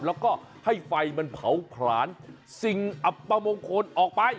แล้วก็ให้ไฟมันเผาผลาญสิ่งอับประมงคลออกไป